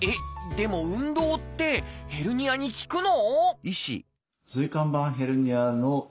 でも運動ってヘルニアに効くの？